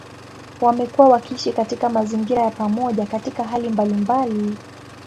Wamekuwa wakiishi katika mazingira ya pamoja katika hali mbalimbali.